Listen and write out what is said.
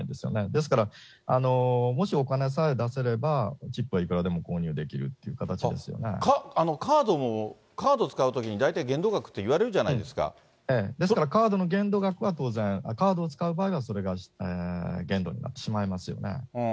ですから、もしお金さえ出せれば、チップはいくらでも購入できるっカード使うときに、大体限度ですから、カードの限度額は当然、カードを使う場合はそれが限度になってしまいますよね。